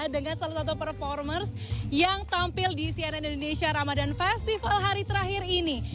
dengan salah satu performers yang tampil di cnn indonesia ramadan festival hari terakhir ini